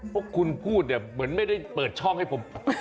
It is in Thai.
พวกคุณพูดเนี่ยเหมือนไม่ได้เปิดช่องให้ผม